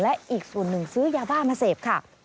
และอีกส่วนหนึ่งซื้อยาบ้ามาเสพค่ะ